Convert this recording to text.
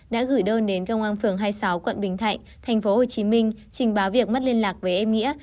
đã gửi đơn đến công an phường hai mươi sáu quận bình thạnh tp hcm trình báo việc mất liên lạc với em nghĩa